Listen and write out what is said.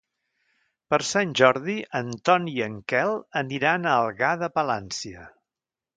Per Sant Jordi en Ton i en Quel aniran a Algar de Palància.